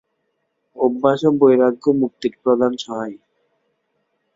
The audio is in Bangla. অভ্যাস ও বৈরাগ্য মুক্তির প্রধান সহায়।